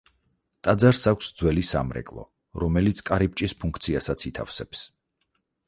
ტაძარს აქვს ძველი სამრეკლო, რომელიც კარიბჭის ფუნქციასაც ითავსებს.